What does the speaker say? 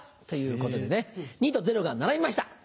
ということでね「２」と「０」が並びました！